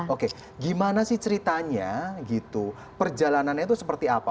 oke gimana sih ceritanya gitu perjalanannya itu seperti apa